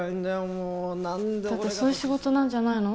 もうだってそういう仕事なんじゃないの？